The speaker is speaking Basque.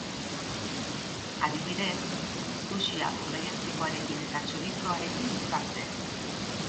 Adibidez, sushia urdaiazpikoarekin eta txorizoarekin uztartzea.